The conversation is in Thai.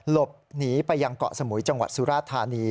หลบหนีไปยังเกาะสมุยจังหวัดสุราธานี